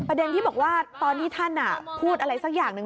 ที่บอกว่าตอนที่ท่านพูดอะไรสักอย่างหนึ่ง